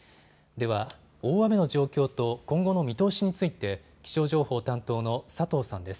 では大雨の状況と今後の見通しについて気象情報担当の佐藤さんです。